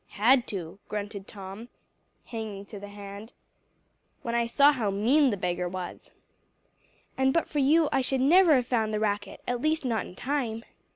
"Had to," grunted Tom, hanging to the hand, "when I saw how mean the beggar was." "And but for you I should never have found the racket, at least not in time."